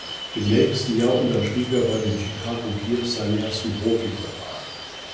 Im nächsten Jahr unterschrieb er bei den Chicago Gears seinen ersten Profivertrag.